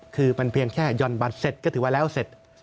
คือมันเพียงแค่หย่อนบัตรเสร็จก็ถือว่าแล้วเสร็จ